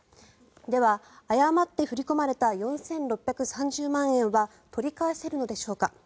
では、誤って振り込まれた４６３０万円は取り返せるのでしょうか。